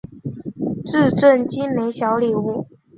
致赠精美小礼物